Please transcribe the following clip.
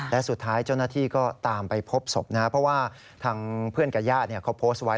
และสุดท้ายเจ้าหน้าที่ก็ตามไปพบศพนะเพราะว่าทางเพื่อนกับญาติเขาโพสต์ไว้